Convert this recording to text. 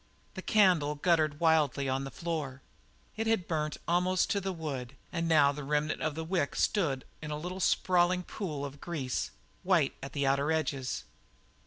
The candle guttered wildly on the floor. It had burnt almost to the wood and now the remnant of the wick stood in a little sprawling pool of grease white at the outer edges.